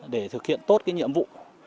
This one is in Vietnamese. để thực hiện tốt cái nhiệm vụ